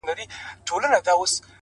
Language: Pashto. تمرکز ذهن واحد هدف ته راټولوي’